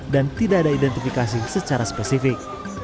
dan tidak ada identifikasi secara spesifik